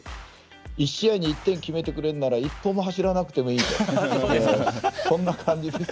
１試合に１点を決めてくれるなら一歩も走らなくていいと思います。